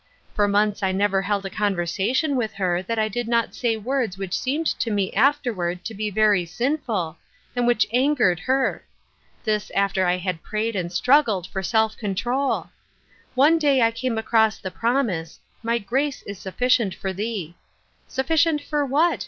For months I never held a conversation with her that I did not say words which seemed to me afterward to be very sinful, and which angered her. This after I had prayed and struggled for self control. One day I came across the prom ise, ' My grace is sufficient for thee.' Sufficient for what?